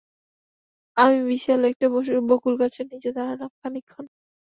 আমি বিশাল একটা বকুলগাছের নিচে দাঁড়ালাম খানিকক্ষণ।